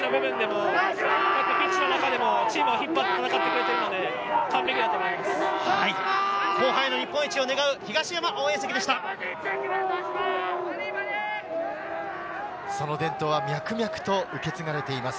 ピッチの中でもチームを引っ張って戦ってくれているので、完璧だと思います。